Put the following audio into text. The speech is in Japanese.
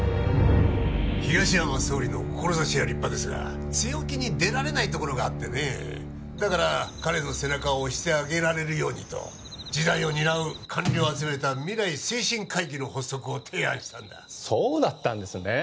東山総理の志は立派ですが強気に出られないところがあってねえだから彼の背中を押してあげられるようにと次代を担う官僚を集めた未来推進会議の発足を提案したんだそうだったんですね